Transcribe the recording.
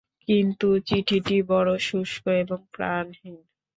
কিন্তু চিঠিটি বড় শুষ্ক এবং প্রাণহীন।